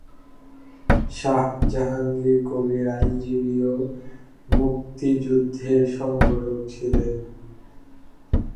শাহ জাহাঙ্গীর কবীর আইনজীবী ও মুক্তিযুদ্ধের সংগঠক ছিলেন।